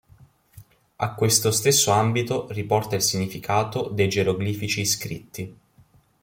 A questo stesso ambito riporta il significato dei geroglifici iscritti.